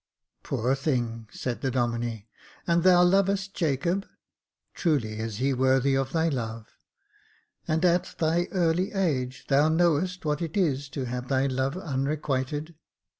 "Poor thing!" said the Domine j "and thou lovest Jacob .'* truly is he worthy of thy love. And, at thy early age, thou knowest what it is to have thy love unrequited.